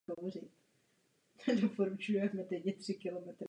Při snímání s filtrem je nutná úprava expozice.